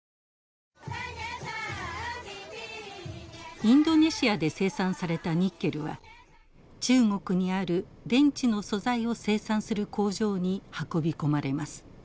インドネシアで生産されたニッケルは中国にある電池の素材を生産する工場に運び込まれます。